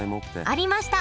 ありました！